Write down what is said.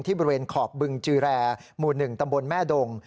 บริเวณขอบบึงจือแรหมู่๑ตำบลแม่ดง